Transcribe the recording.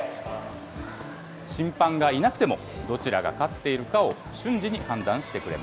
審判がいなくても、どちらが勝っているかを瞬時に判断してく